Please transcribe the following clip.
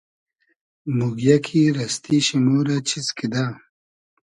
موگیۂ کی رئستی شی مۉ رۂ چیز کیدۂ